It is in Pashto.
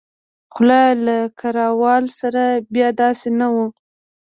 خو له کراول سره بیا داسې نه وو.